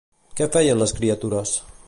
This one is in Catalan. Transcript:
Què feien les criatures?